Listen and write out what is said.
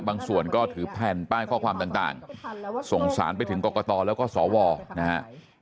บางส่วนก็ถือแผ่นป้ายข้อความต่างส่งสารไปถึงกรกตแล้วก็สวนะฮะ